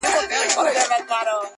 o چي مړ سو، نو پړ سو!